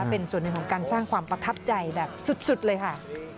เป็นส่วนหนึ่งของการสร้างความประทับใจแบบสุดเลยค่ะ